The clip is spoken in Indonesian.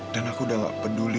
dan aku udah gak peduli